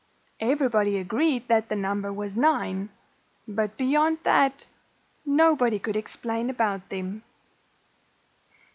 Everybody agreed that the number was nine. But beyond that, nobody could explain about them.